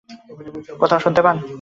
কোথায় শুনতে পান?